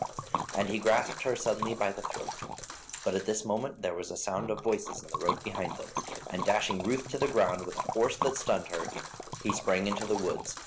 And he grasped her suddenly by the throat; but at this moment there was a sound of voices in the road behind them, and dashing Ruth to the ground with a force that stunned her, he sprang into the woods.